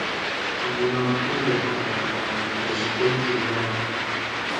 Nakw koŋgov ta nambrec kwal te yaw?